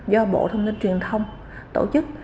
do bộ thông tin truyền thông tổ chức